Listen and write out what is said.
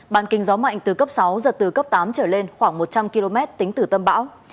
bàn kinh gió mạnh từ cấp sáu giật từ cấp tám trở lên khoảng một trăm linh km tính từ tâm bão